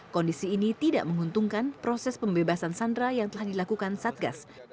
kondisi ini tidak menguntungkan proses pembebasan sandera yang telah dilakukan satgas